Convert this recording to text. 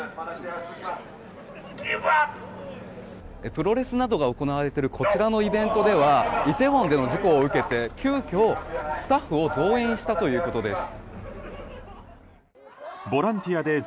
プロレスなどが行われているこちらのイベントではイテウォンでの事故を受けて急きょスタッフを増員したということです。